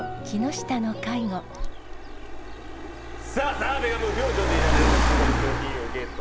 澤部が無表情でいられれば追加で商品をゲット。